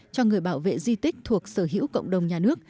cho người bảo vệ di tích thuộc sở hữu cộng đồng nhà nước